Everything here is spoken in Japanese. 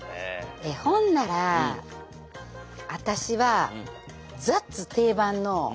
ほんなら私はザッツ定番の桃で。